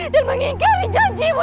dan mengingkari janjimu